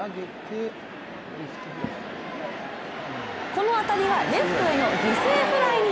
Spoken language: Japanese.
この当たりがレフトへの犠牲フライに。